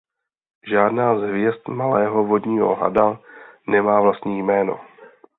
Žádná z hvězd Malého vodního hada nemá vlastní jméno.